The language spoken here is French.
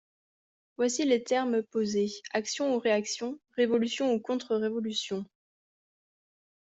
Voici les termes posés: action ou réaction, révolution ou contre-révolution.